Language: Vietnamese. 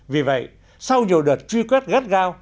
vì vậy sau nhiều đợt truy quét gắt giấy